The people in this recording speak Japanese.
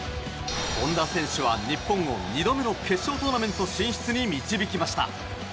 本田選手は日本を２度目の決勝トーナメント進出に導きました。